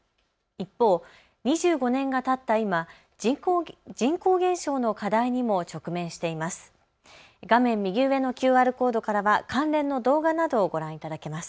一方、２５年がたった今、人口減少の課題にも直面しています。